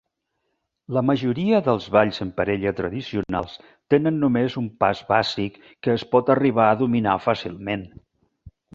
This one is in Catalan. La majoria dels balls en parella tradicionals tenen només un pas bàsic que es pot arribar a dominar fàcilment.